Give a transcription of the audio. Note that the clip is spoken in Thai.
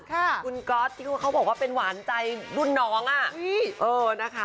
คุณก๊อตที่เขาบอกว่าเป็นหวานใจรุ่นน้องนะคะ